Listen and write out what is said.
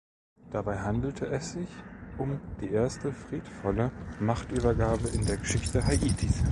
Dabei handelte es sich um die erste friedvolle Machtübergabe in der Geschichte Haitis.